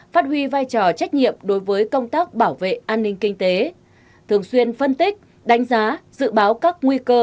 phát huy vai trò trách nhiệm đối với công tác bảo vệ an ninh kinh tế thường xuyên phân tích đánh giá dự báo các nguy cơ